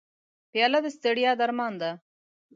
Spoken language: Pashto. پیاله د ستړیا درمان ده.